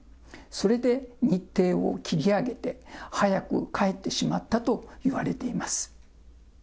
それで日程を切り上げて、早く帰ってしまったといわれています。